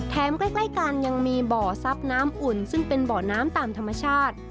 ใกล้กันยังมีบ่อซับน้ำอุ่นซึ่งเป็นบ่อน้ำตามธรรมชาติ